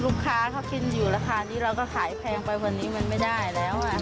ลูกค้าเขากินอยู่ราคานี้เราก็ขายแพงไปกว่านี้มันไม่ได้แล้ว